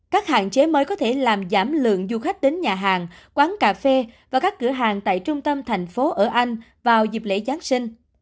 các hạn chế mới có thể làm giảm lượng du khách đến nhà hàng quán cà phê và các cửa hàng tại trung tâm thành phố ở anh vào dịp lễ giáng sinh